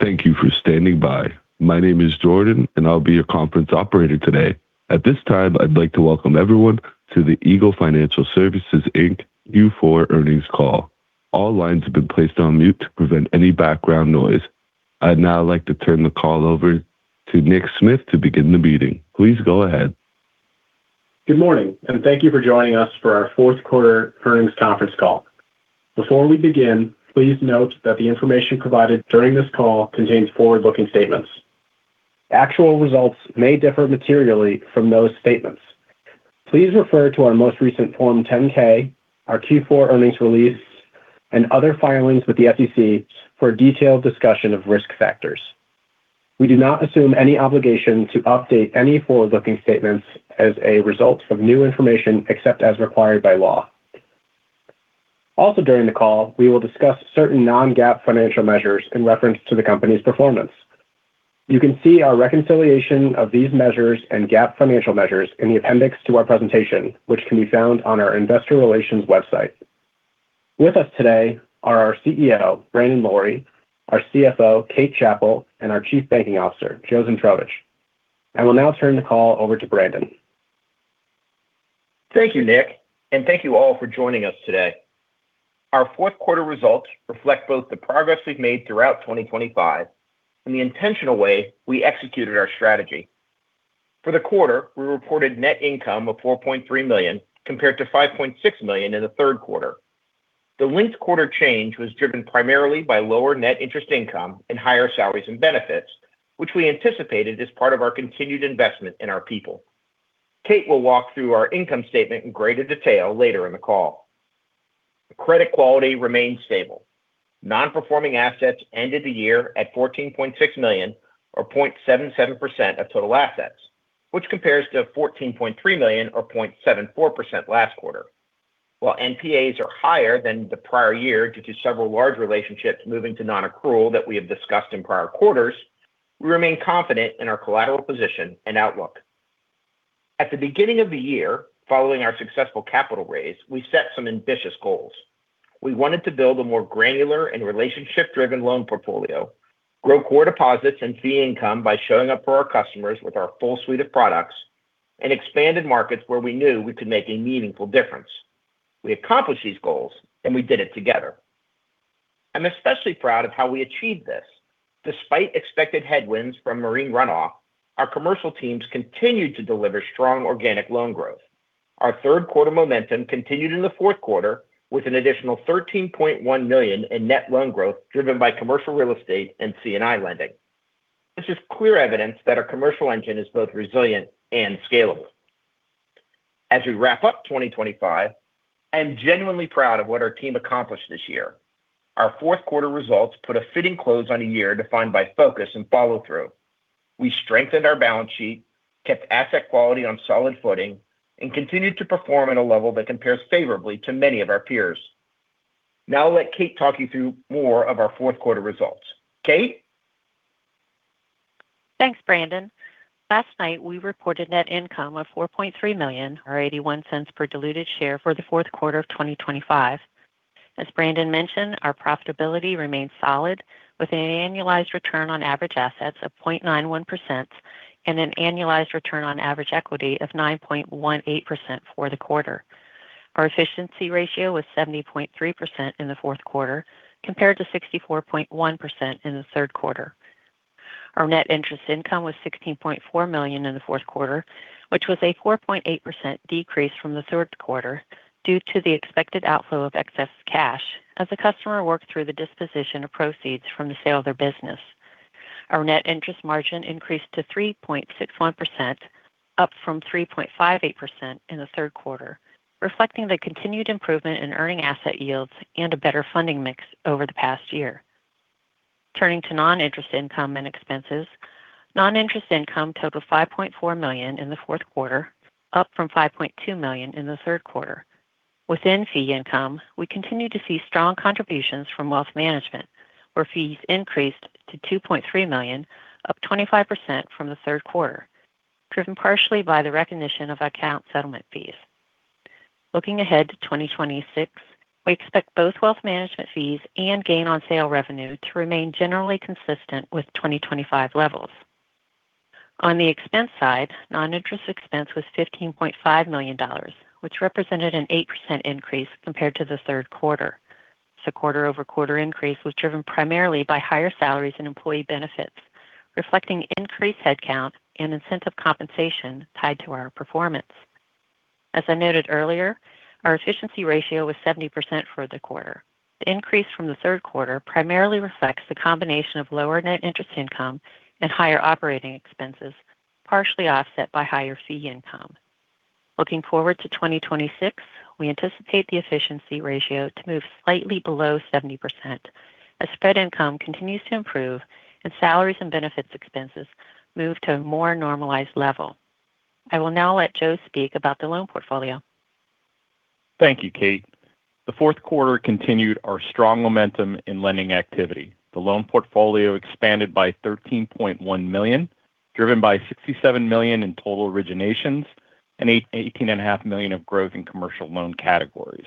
Thank you for standing by. My name is Jordan, and I'll be your conference operator today. At this time, I'd like to welcome everyone to the Eagle Financial Services, Inc., Q4 earnings call. All lines have been placed on mute to prevent any background noise. I'd now like to turn the call over to Nick Smith to begin the meeting. Please go ahead. Good morning, and thank you for joining us for our fourth quarter earnings conference call. Before we begin, please note that the information provided during this call contains forward-looking statements. Actual results may differ materially from those statements. Please refer to our most recent Form 10-K, our Q4 earnings release, and other filings with the SEC for a detailed discussion of risk factors. We do not assume any obligation to update any forward-looking statements as a result of new information, except as required by law. Also, during the call, we will discuss certain non-GAAP financial measures in reference to the company's performance. You can see our reconciliation of these measures and GAAP financial measures in the appendix to our presentation, which can be found on our investor relations website. With us today are our CEO, Brandon Lorey; our CFO, Kate Chappell; and our Chief Banking Officer, Joe Zmitrovich. I will now turn the call over to Brandon. Thank you, Nick, and thank you all for joining us today. Our fourth quarter results reflect both the progress we've made throughout 2025 and the intentional way we executed our strategy. For the quarter, we reported net income of $4.3 million, compared to $5.6 million in the third quarter. The linked quarter change was driven primarily by lower net interest income and higher salaries and benefits, which we anticipated as part of our continued investment in our people. Kate will walk through our income statement in greater detail later in the call. The credit quality remains stable. Non-performing assets ended the year at $14.6 million, or 0.77% of total assets, which compares to $14.3 million, or 0.74% last quarter. While NPAs are higher than the prior year due to several large relationships moving to non-accrual that we have discussed in prior quarters, we remain confident in our collateral position and outlook. At the beginning of the year, following our successful capital raise, we set some ambitious goals. We wanted to build a more granular and relationship-driven loan portfolio, grow core deposits and fee income by showing up for our customers with our full suite of products, and expanded markets where we knew we could make a meaningful difference. We accomplished these goals, and we did it together. I'm especially proud of how we achieved this. Despite expected headwinds from marine runoff, our commercial teams continued to deliver strong organic loan growth. Our third quarter momentum continued in the fourth quarter with an additional $13.1 million in net loan growth, driven by commercial real estate and C&I lending. This is clear evidence that our commercial engine is both resilient and scalable. As we wrap up 2025, I'm genuinely proud of what our team accomplished this year. Our fourth quarter results put a fitting close on a year defined by focus and follow-through. We strengthened our balance sheet, kept asset quality on solid footing, and continued to perform at a level that compares favorably to many of our peers. Now I'll let Kate talk you through more of our fourth quarter results. Kate? Thanks, Brandon. Last night, we reported net income of $4.3 million, or $0.81 per diluted share for the Q4 of 2025. As Brandon mentioned, our profitability remains solid, with an annualized return on average assets of 0.91% and an annualized return on average equity of 9.18% for the quarter. Our efficiency ratio was 70.3% in the fourth quarter, compared to 64.1% in the third quarter. Our net interest income was $16.4 million in the fourth quarter, which was a 4.8% decrease from the third quarter due to the expected outflow of excess cash as the customer worked through the disposition of proceeds from the sale of their business. Our net interest margin increased to 3.61%, up from 3.58% in the third quarter, reflecting the continued improvement in earning asset yields and a better funding mix over the past year. Turning to non-interest income and expenses, non-interest income totaled $5.4 million in the fourth quarter, up from $5.2 million in the third quarter. Within fee income, we continued to see strong contributions from wealth management, where fees increased to $2.3 million, up 25% from the third quarter, driven partially by the recognition of account settlement fees. Looking ahead to 2026, we expect both wealth management fees and gain on sale revenue to remain generally consistent with 2025 levels. On the expense side, non-interest expense was $15.5 million, which represented an 8% increase compared to the third quarter. The quarter-over-quarter increase was driven primarily by higher salaries and employee benefits, reflecting increased headcount and incentive compensation tied to our performance. As I noted earlier, our efficiency ratio was 70% for the quarter. The increase from the third quarter primarily reflects the combination of lower net interest income and higher operating expenses, partially offset by higher fee income. Looking forward to 2026, we anticipate the efficiency ratio to move slightly below 70% as spread income continues to improve and salaries and benefits expenses move to a more normalized level. I will now let Joe speak about the loan portfolio. Thank you, Kate. The Q4 continued our strong momentum in lending activity. The loan portfolio expanded by $13.1 million, driven by $67 million in total originations and $18.5 million of growth in commercial loan categories.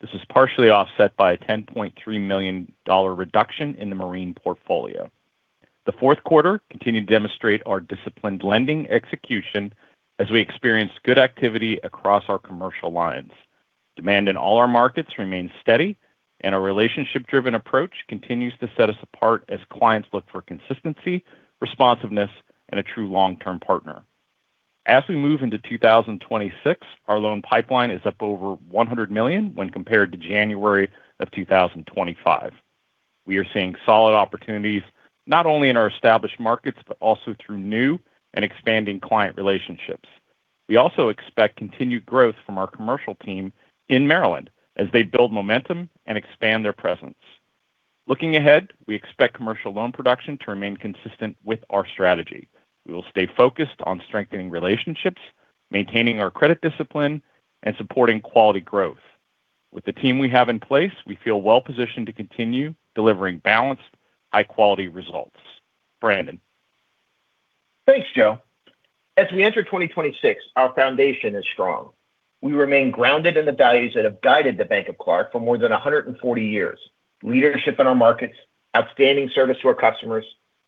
This is partially offset by a $10.3 million reduction in the marine portfolio. The Q4 continued to demonstrate our disciplined lending execution as we experienced good activity across our commercial lines. Demand in all our markets remains steady, and our relationship-driven approach continues to set us apart as clients look for consistency, responsiveness, and a true long-term partner. As we move into 2026, our loan pipeline is up over $100 million when compared to January of 2025. We are seeing solid opportunities, not only in our established markets, but also through new and expanding client relationships. We also expect continued growth from our commercial team in Maryland as they build momentum and expand their presence. Looking ahead, we expect commercial loan production to remain consistent with our strategy. We will stay focused on strengthening relationships, maintaining our credit discipline, and supporting quality growth. With the team we have in place, we feel well positioned to continue delivering balanced, high-quality results. Brandon? Thanks, Joe. As we enter 2026, our foundation is strong. We remain grounded in the values that have guided the Bank of Clarke for more than 140 years: leadership in our markets, outstanding service to our customers,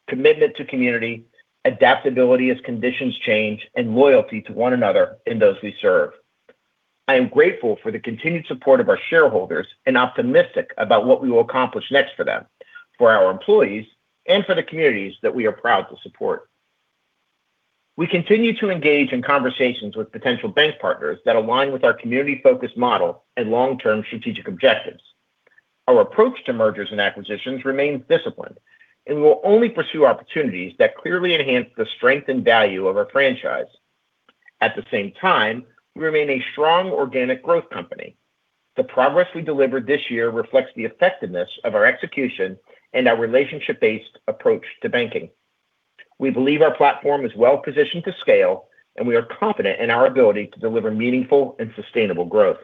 commitment to community, adaptability as conditions change, and loyalty to one another and those we serve. I am grateful for the continued support of our shareholders and optimistic about what we will accomplish next for them, for our employees, and for the communities that we are proud to support. We continue to engage in conversations with potential bank partners that align with our community-focused model and long-term strategic objectives. Our approach to mergers and acquisitions remains disciplined, and we'll only pursue opportunities that clearly enhance the strength and value of our franchise. At the same time, we remain a strong organic growth company. The progress we delivered this year reflects the effectiveness of our execution and our relationship-based approach to banking. We believe our platform is well positioned to scale, and we are confident in our ability to deliver meaningful and sustainable growth.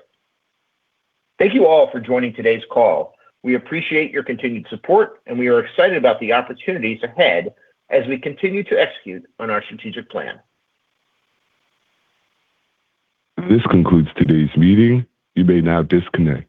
Thank you all for joining today's call. We appreciate your continued support, and we are excited about the opportunities ahead as we continue to execute on our strategic plan. This concludes today's meeting. You may now disconnect.